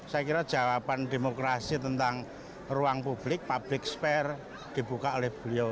saya kira jawaban demokrasi tentang ruang publik public spare dibuka oleh beliau